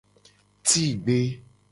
Tigbe.